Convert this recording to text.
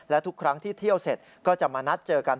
และทุกครั้งที่เที่ยวเสร็จก็จะมานัดเจอกัน